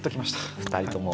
２人とも。